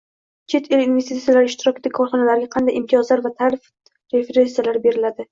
Chet el investitsiyalari ishtirokidagi korxonalarga qanday imtiyozlar va tarif preferentsiyalari beriladi?